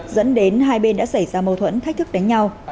dẫn đến hai bên đã xảy ra mâu thuẫn thách thức đánh nhau